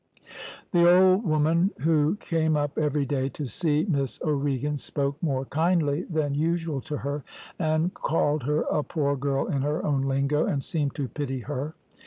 "The old woman, who came up every day to see Miss O'Regan, spoke more kindly than usual to her, and called her a poor girl in her own lingo, and seemed to pity her.